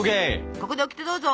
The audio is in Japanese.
ここでオキテどうぞ！